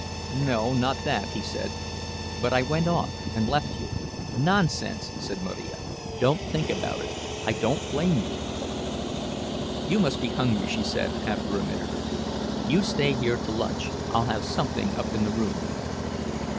"No, not that," he said. "But I went off and left you—" "Nonsense!" said Marija. "Don't think about it. I don't blame you." "You must be hungry," she said, after a minute or two. "You stay here to lunch—I'll have something up in the room."